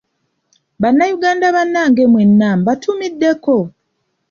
Bannayuganda bannange mwenna mbatumiddeko.